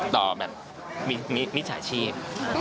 ต่อมิจสาชีพ